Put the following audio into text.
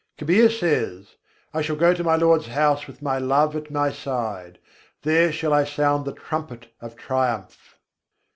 Kabîr says, "I shall go to my Lord's house with my love at my side; then shall I sound the trumpet of triumph!"